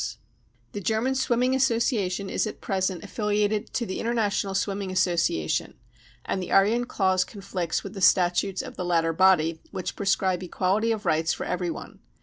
5 The German Swimming Association is at present affiliated to the International Swimming Association, and the Aryan clause conflicts with the statutes of the latter body, which prescribe equality of rights for every one.